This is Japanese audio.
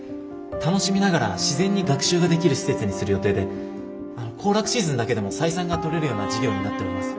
楽しみながら自然に学習ができる施設にする予定で行楽シーズンだけでも採算が取れるような事業になっております。